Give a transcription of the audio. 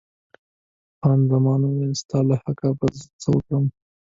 خان زمان وویل، ستا له حقه به زه څه وکړم.